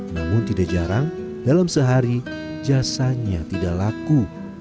namun tidak jarang dalam sehari jasanya tidak laku